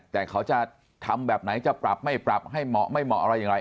แต่เขาจะทำแบบไหนจะปรับไม่ปรับให้เหมาะไม่เหมาะอะไรอย่างไร